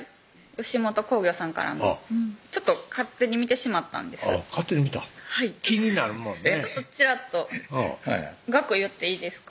吉本興業さんからのちょっと勝手に見てしまったんです勝手に見た気になるもんねちらっと額言っていいですか？